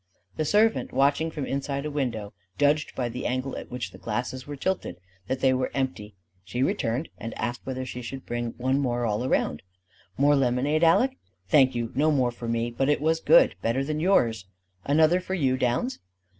The servant, watching from inside a window, judged by the angle at which the glasses were tilted that they were empty: she returned and asked whether she should bring 'one more all around.' "More lemonade, Aleck?" "Thank you, no more for me but it was good, better than yours." "Another for you, Downs?"